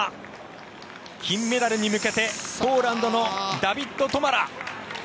金メダルに向けてポーランドのダビッド・トマラ。